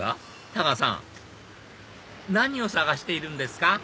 太川さん何を探しているんですか？